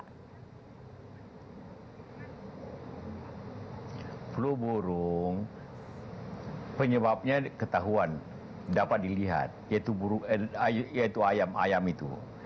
kalau kita lihat itu flu burung penyebabnya ketahuan dapat dilihat yaitu ayam itu